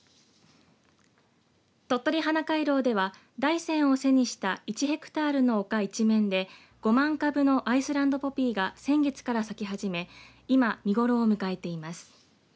とっとり花回廊では、大山を背にした１ヘクタールの丘一面で５万株のアイスランドポピーが先月から咲き始め、今、見頃を迎えています。